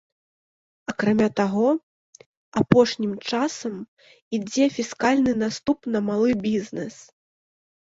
Акрамя таго, апошнім часам ідзе фіскальны наступ на малы бізнес.